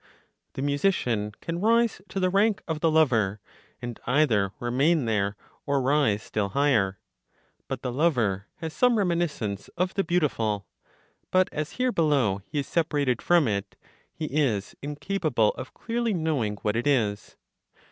The musician can rise to the rank of the lover, and either remain there, or rise still higher. But the lover has some reminiscence of the beautiful; but as here below he is separated (from it, he is incapable of clearly knowing what it is).